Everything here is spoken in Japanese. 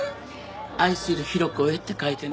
「愛するヒロコへ」って書いてね。